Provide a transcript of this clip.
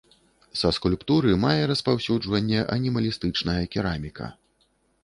Са скульптуры мае распаўсюджванне анімалістычная кераміка.